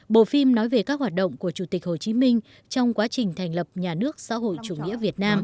bộ phim nói về các hoạt động của chủ tịch hồ chí minh trong quá trình thành lập nhà nước xã hội chủ nghĩa việt nam